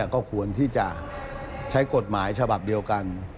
ก็ควรที่จะใช้กฎหมายฉบับเดียวกัน